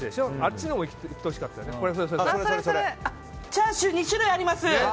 チャーシュー２種類あります。